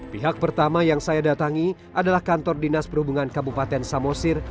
pihak pertama yang saya datangi adalah kantor dinas perhubungan kabupaten samosir